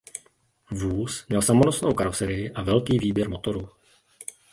Vůz měl samonosnou karoserii a velký výběr motorů.